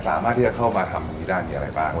สามารถที่จะเข้ามาทำตรงนี้ได้มีอะไรบ้าง